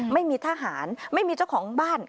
ไม่มีทหารไม่มีเจ้าของบ้าน